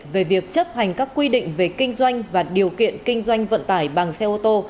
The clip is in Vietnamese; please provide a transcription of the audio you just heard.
về việc chấp hành các quy định về kinh doanh và điều kiện kinh doanh vận tải bằng xe ô tô